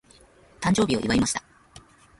誕生日を祝いました。